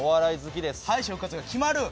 敗者復活が決まる。